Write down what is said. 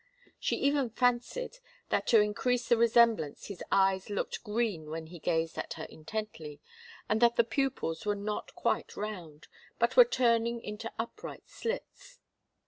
She even fancied that to increase the resemblance his eyes looked green when he gazed at her intently, and that the pupils were not quite round, but were turning into upright slits.